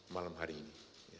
malam hari ini